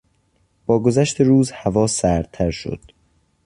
با گذشت روز هوا سردتر شد.